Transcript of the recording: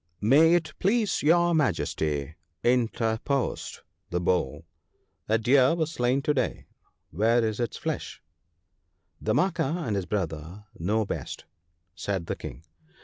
' May it please your Majesty,' interposed the Bull, * a deer was slain to day — where is its flesh ?' 1 Damanaka and his brother know best,' said the King.